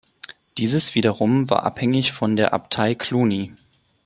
Dieses wiederum war abhängig von der Abtei Cluny.